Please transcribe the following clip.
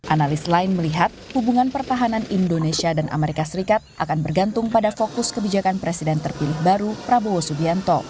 analis lain melihat hubungan pertahanan indonesia dan amerika serikat akan bergantung pada fokus kebijakan presiden terpilih baru prabowo subianto